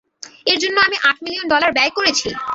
এর জন্য আমি আট মিলিয়ন ডলার ব্যয় করেছি!